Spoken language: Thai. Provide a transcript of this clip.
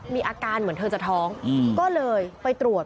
มีอาการเหมือนเธอจะท้องก็เลยไปตรวจ